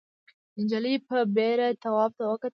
نجلۍ په بېره تواب ته وکتل.